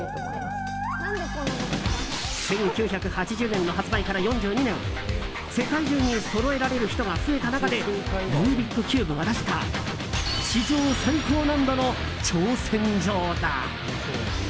１９８０年の発売から４２年世界中にそろえられる人が増えた中でルービックキューブが出した史上最高難度の挑戦状だ。